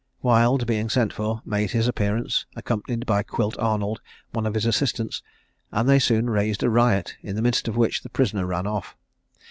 Wild being sent for, made his appearance, accompanied by Quilt Arnold, one of his assistants, and they soon raised a riot, in the midst of which the prisoner ran off.